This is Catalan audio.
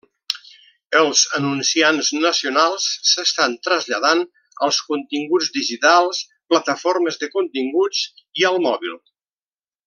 Els anunciants nacionals s'estan traslladant als continguts digitals, plataformes de continguts i al mòbil.